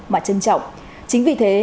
mà trân trọng chính vì thế